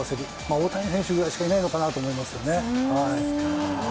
大谷選手ぐらいしかいないのかなと思いますね。